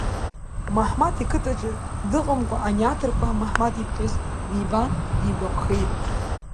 Маҳмаҭ иқыҭаҿы дыҟамкәа ани аҭырқәа Маҳмаҭ иԥҳәыс дибан дигәаԥхеит.